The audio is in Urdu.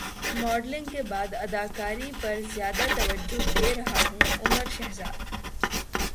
ماڈلنگ کے بعد اداکاری پر زیادہ توجہ دے رہا ہوں عمر شہزاد